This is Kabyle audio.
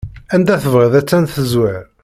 Anda tebɣiḍ attan tezwar.